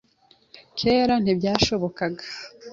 Kera ntibyashobokaga.